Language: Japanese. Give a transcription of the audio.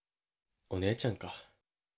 お姉ちゃんか。